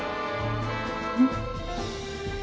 うん。